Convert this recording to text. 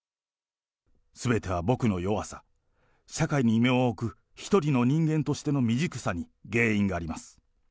すべては僕の弱さ、社会に身を置く一人の人間としての未熟さに原因があります。